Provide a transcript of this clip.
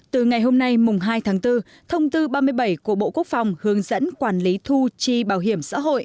từ ngày hôm nay mùng hai tháng bốn thông tư ba mươi bảy của bộ quốc phòng hướng dẫn quản lý thu chi bảo hiểm xã hội